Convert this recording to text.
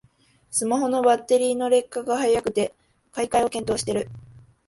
スマホのバッテリーの劣化が早くて買い替えを検討してる